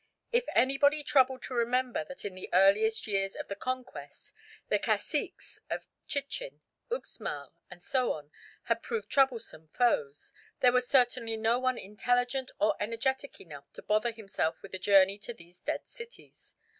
If anybody troubled to remember that in the earliest years of the Conquest the caciques of Chichen, Uxmal and so on had proved troublesome foes, there was certainly no one intelligent or energetic enough to bother himself with a journey to these dead cities.